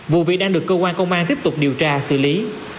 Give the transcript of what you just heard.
vụ việc đang được cơ quan công an tiếp tục điều tra xử lý